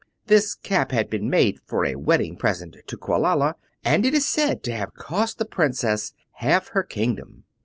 This Cap had been made for a wedding present to Quelala, and it is said to have cost the princess half her kingdom.